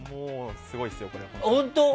すごいですよ、これ。